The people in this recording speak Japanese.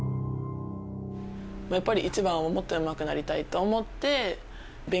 やっぱり。